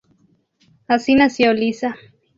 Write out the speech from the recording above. Así nació Lisa.